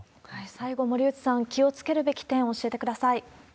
最後、森内さん、気をつけるべき点、教えてください。